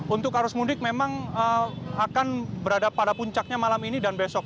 untuk arus mudik memang akan berada pada puncaknya malam ini dan besok